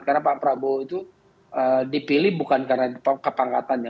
karena pak prabowo itu dipilih bukan karena kepangkatannya